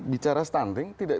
bicara stunting tidak